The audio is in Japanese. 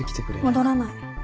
戻らない。